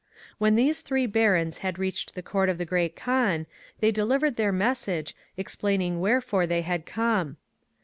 ^ When these three Barons had reached the Court of the Great Kaan, they delivered their message, explaining wherefore they were come.